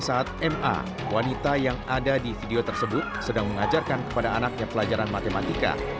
saat ma wanita yang ada di video tersebut sedang mengajarkan kepada anaknya pelajaran matematika